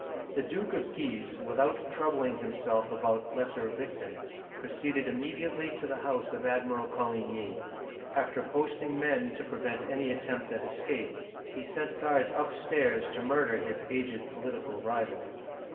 The Duke of Guise, without troubling himself about lesser victims, proceeded immediately to the house of Ad miral Coligny. After posting men to prevent any attempt at escape, he sent guards upstairs to murder his aged political rival.